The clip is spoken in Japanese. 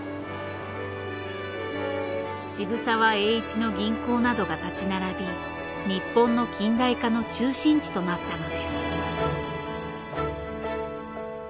渋沢栄一の銀行などが立ち並び日本の近代化の中心地となったのです。